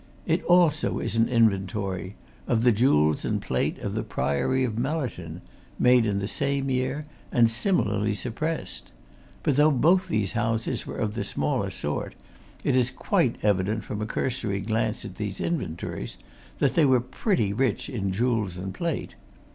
It also is an inventory of the jewels and plate of the Priory of Mellerton, made in the same year, and similarly suppressed. But though both these houses were of the smaller sort, it is quite evident, from a cursory glance at these inventories that they were pretty rich in jewels and plate.